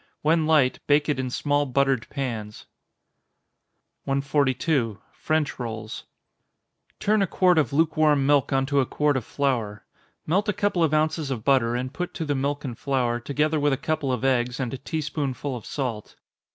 When light, bake it in small buttered pans. 142. French Rolls. Turn a quart of lukewarm milk on to a quart of flour. Melt a couple of ounces of butter, and put to the milk and flour, together with a couple of eggs, and a tea spoonful of salt.